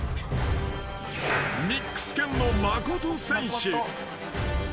［ミックス犬のまこと選手］